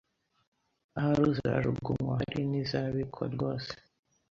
Ahari uzajugunywa hari nizabikwa rwose